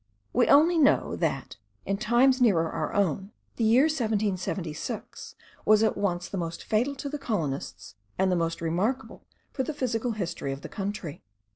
We only know, that, in times nearer our own, the year 1776 was at once the most fatal to the colonists, and the most remarkable for the physical history of the country.